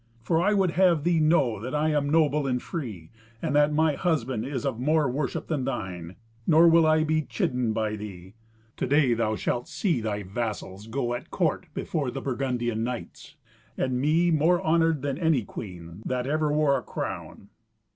For I would have thee know that I am noble and free, and that my husband is of more worship than thine. Nor will I be chidden by thee. To day thou shalt see thy vassals go at court before the Burgundian knights, and me more honoured than any queen that ever wore a crown."